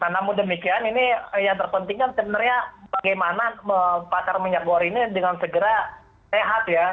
namun demikian ini yang terpenting kan sebenarnya bagaimana pasar minyak goreng ini dengan segera sehat ya